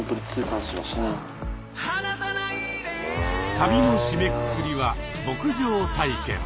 旅の締めくくりは牧場体験。